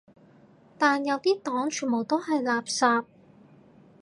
但有啲黨全部都係垃圾